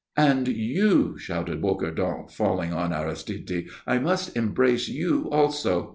"And you!" shouted Bocardon, falling on Aristide; "I must embrace you also."